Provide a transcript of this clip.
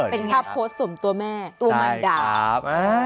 เป็นภาพโพสต์ส่วนตัวแม่ตัวมันดาว